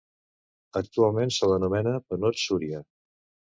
Actualment se l’anomena panot Súria.